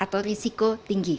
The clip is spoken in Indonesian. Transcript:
atau risiko tinggi